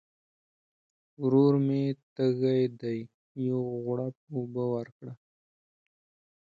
ورور مي تږی دی ، یو غوړپ اوبه ورکړه !